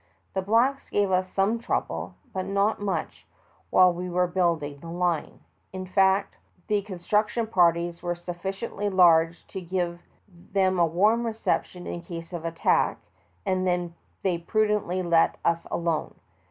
The blacks gave us some trouble, but not much while we were building the line ; the fact was that the construction parties were sufficiently large to give them a warm reception, in case of an attack, and they prudently let us alone.